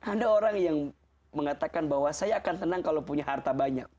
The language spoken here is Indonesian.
ada orang yang mengatakan bahwa saya akan tenang kalau punya harta banyak